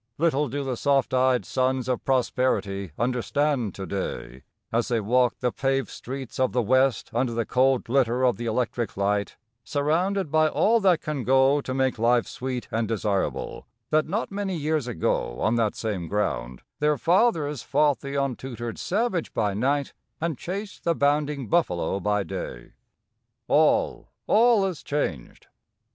Little do the soft eyed sons of prosperity understand to day, as they walk the paved streets of the west under the cold glitter of the electric light, surrounded by all that can go to make life sweet and desirable, that not many years ago on that same ground their fathers fought the untutored savage by night and chased the bounding buffalo by day. All, all is changed.